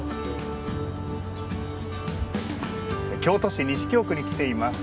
京都市西京区に来ています。